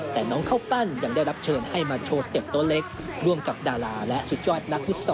แต่น้องข้าวปั้นยังได้รับเชิญให้มาโชว์สเต็ปโต๊ะเล็กร่วมกับดาราและสุดยอดนักฟุตซอ